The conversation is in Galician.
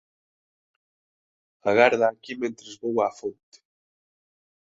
Agarda aquí mentres vou á fonte.